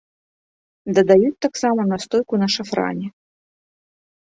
Дадаюць таксама настойку на шафране.